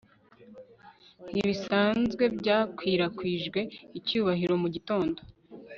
Ntibisanzwe byakwirakwije icyubahiro mu gitondo